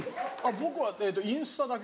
僕はインスタだけです。